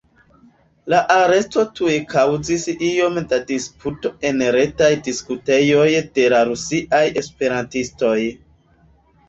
La aresto tuj kaŭzis iom da disputo en retaj diskutejoj de la rusiaj esperantistoj.